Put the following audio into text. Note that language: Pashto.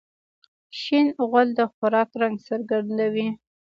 شین غول د خوراک رنګ څرګندوي.